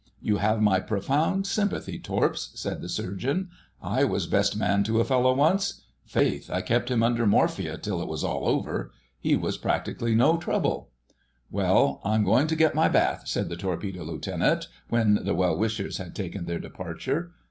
"You have my profound sympathy, Torps," said the Surgeon. "I was Best Man to a fellow once—faith, I kept him under morphia till it was all over. He was practically no trouble." "Now I'm going to get my bath," said the Torpedo Lieutenant when the well wishers had taken their departure.